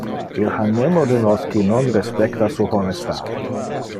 Il ha nemo de nos qui non respecta su honestate.